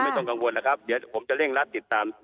ต้องกังวลนะครับเดี๋ยวผมจะเร่งรัดติดตาม